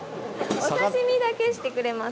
お刺身だけしてくれます。